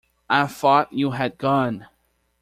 I thought you had gone.